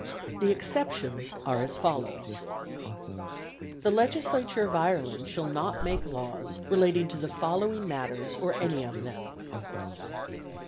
The exceptions are as follows: "The Legislature of Ireland shall not make laws relating to the following matters or any of them: "(1.)